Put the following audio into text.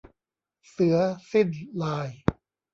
เสือสิ้นลาย